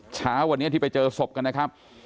เช้าวันนี้ที่ไปเจอศพกันนะครับ